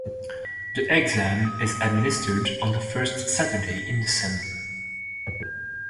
The exam is administered on the first Saturday in December.